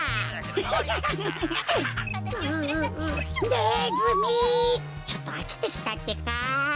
「ネズミ」ちょっとあきてきたってか。